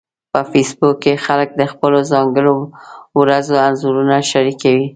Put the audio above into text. په فېسبوک کې خلک د خپلو ځانګړو ورځو انځورونه شریکوي